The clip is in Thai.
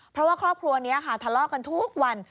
เพราะว่าครอบครัวนี้ค่ะทะเลาะกันทุกวัน